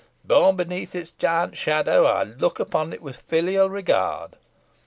Born beneath its giant shadow, I look upon it with filial regard.